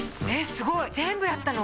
すごい全部やったの？